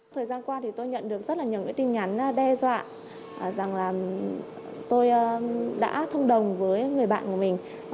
thời gian qua thì tôi nhận được rất là nhiều cái tin nhắn đe dọa rằng là tôi đã thông đồng với người bạn của mình